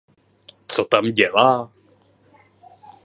Co tam dělá?